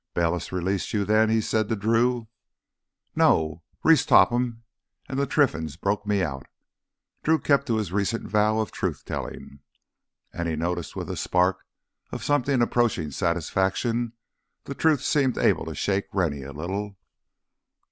"Bayliss released you then," he said to Drew. "No. Reese Topham and the Trinfans broke me out." Drew kept to his recent vow of truth telling. And, he noticed with a spark of something approaching satisfaction, the truth seemed able to shake Rennie a little.